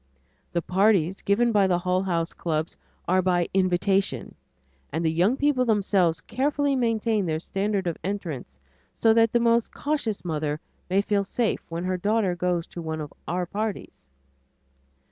The parties given by the Hull House clubs are by invitation and the young people themselves carefully maintain their standard of entrance so that the most cautious mother may feel safe when her daughter goes to one of our parties.